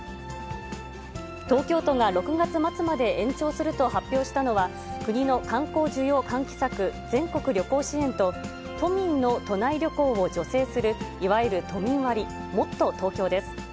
東京都が６月末まで延長すると発表したのは、国の観光需要喚起策、全国旅行支援と、都民の都内旅行を助成する、いわゆる都民割、もっとＴｏｋｙｏです。